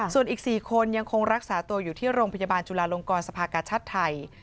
ส่วนอีก๔คนยังคงรักษาตัวอยู่ที่โรงพยาบาลจุลาลงกรสภากชาติไทย